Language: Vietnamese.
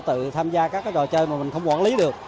tự tham gia các trò chơi mà mình không quản lý được